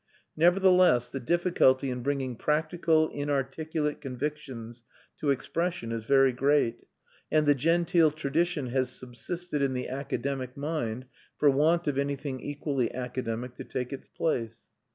Nevertheless, the difficulty in bringing practical inarticulate convictions to expression is very great, and the genteel tradition has subsisted in the academic mind for want of anything equally academic to take its place.